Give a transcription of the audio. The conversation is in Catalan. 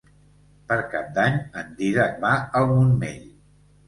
Per Cap d'Any en Dídac va al Montmell.